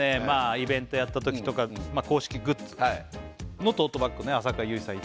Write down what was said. イベントやったときとか公式グッズのトートバッグね浅香唯さん